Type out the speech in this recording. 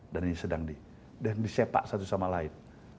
dan ini sedang disepak satu sama lain